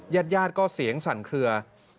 ญาติญาติก็เสียงสั่นเคลือ